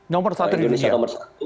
nomor satu di indonesia